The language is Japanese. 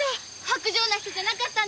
薄情な人じゃなかった！